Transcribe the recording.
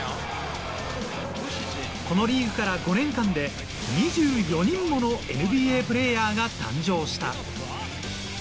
このリーグから５年間で２４人ものＮＢＡプレーヤーが誕生した。